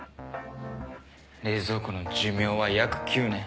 冷蔵庫の寿命は約９年。